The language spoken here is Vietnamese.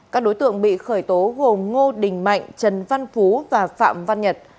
các đối tượng bị khởi tố gồm ngô đình mạnh trần văn phú và phạm văn nhật